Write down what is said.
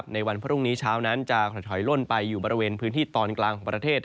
ในวันพรุ่งนี้เช้านั้นจะถอยล่นไปอยู่บริเวณพื้นที่ตอนกลางของประเทศ